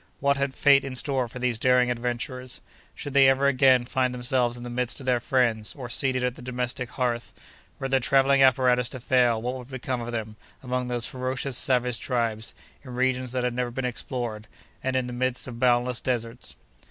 What had fate in store for these daring adventurers? Should they ever again find themselves in the midst of their friends, or seated at the domestic hearth? Were their travelling apparatus to fail, what would become of them, among those ferocious savage tribes, in regions that had never been explored, and in the midst of boundless deserts?